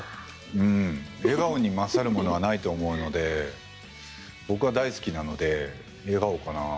笑顔に勝るものはないと思うので僕は大好きなので笑顔かな。